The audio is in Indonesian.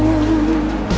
cinta itu yang menjaga kita